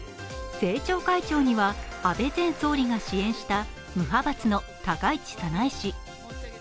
政調会長には安倍前総理が支援した無派閥の高市早苗氏。